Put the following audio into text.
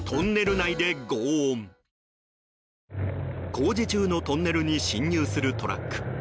工事中のトンネルに進入するトラック。